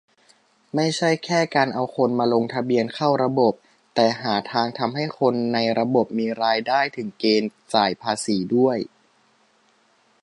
ไม่ใช่แค่การเอาคนมาลงทะเบียนเข้าระบบ แต่หาทางทำให้คนในระบบมีรายได้ถึงเกณฑ์จ่ายภาษีด้วย